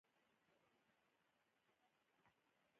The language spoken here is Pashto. حدیث باندي تر اوسه عمل کیږي.